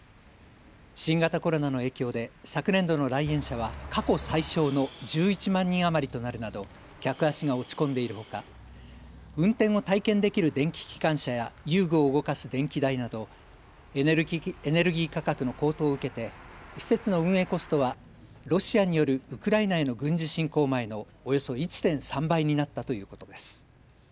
新型コロナの影響で昨年度の来園者は過去最少の１１万人余りとなるなど客足が落ち込んでいるほか運転を体験できる電気機関車や遊具を動かす電気代など、エネルギー価格の高騰を受けて施設の運営コストはロシアによるウクライナへの軍事侵攻前のおよそ１．３倍になったということです。